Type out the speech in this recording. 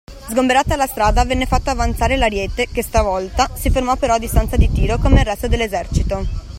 Sgomberata la strada, venne fatto avanzare l’ariete, che stavolta si fermò però a distanza di tiro, come il resto dell’esercito.